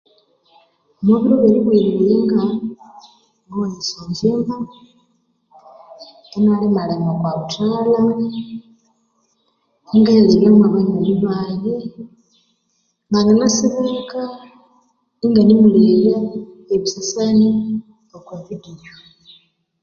Omo biro byeribughirira eyenga ngowaya esyongyimba inalimalima okwa buthalha ingayalebya na banywani bayi nanginasibe ka inganemulebya ebisasani okwa video